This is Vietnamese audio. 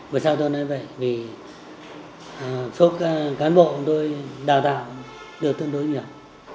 vì sao tôi nói vậy vì số cán bộ của tôi đào tạo được tương đối nhiều